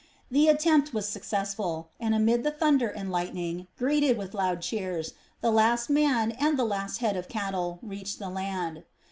The attempt was successful and, amid the thunder and lightning, greeted with loud cheers, the last man and the last head of cattle reached the land.